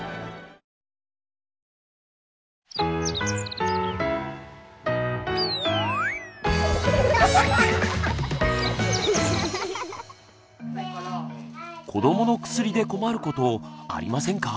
子どもの薬で困ることありませんか？